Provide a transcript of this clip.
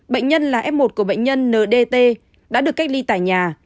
bệnh nhân là f một của bệnh nhân ndt đã được cách ly tại nhà